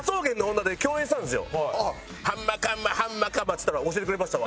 ハンマーカンマーハンマーカンマーって言ったら教えてくれましたわ。